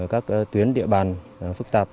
các tuyến địa bàn phức tạp